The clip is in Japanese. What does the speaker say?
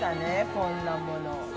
こんなもの。